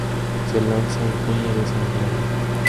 Se lanza en junio de ese mismo año.